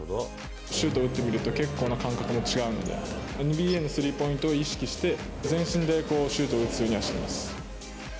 シュートを打ってみると、結構な感覚も違うんで、ＮＢＡのスリーポイントを意識して、全身でシュートを打つようにはしています。